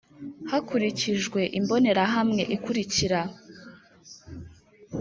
Hakurikijwe imbonerahamwe ikurikira